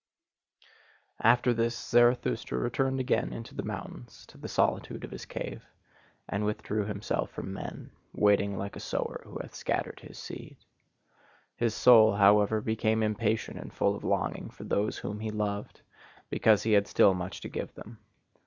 After this Zarathustra returned again into the mountains to the solitude of his cave, and withdrew himself from men, waiting like a sower who hath scattered his seed. His soul, however, became impatient and full of longing for those whom he loved: because he had still much to give them.